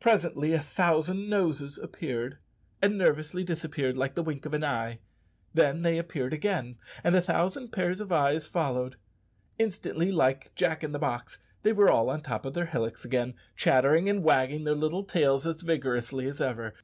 Presently a thousand noses appeared, and nervously disappeared, like the wink of an eye. Then they appeared again, and a thousand pair of eyes followed. Instantly, like Jack in the box, they were all on the top of their hillocks again, chattering and wagging their little tails as vigorously as ever.